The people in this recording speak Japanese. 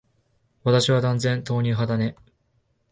私は断然、豆乳派だね。